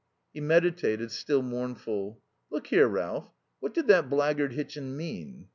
He meditated, still mournful. "Look here, Ralph, what did that blackguard Hitchin mean?"